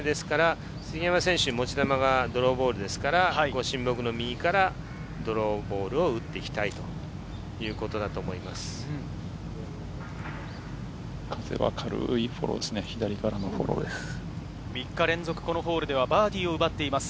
杉山選手、持ち球がドローボールですから、御神木の右からドローボールを打っていきたいということだと思います。